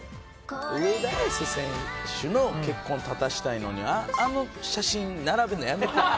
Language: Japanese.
上田綺世選手の結婚立たせたいのにあの写真並べるのやめて。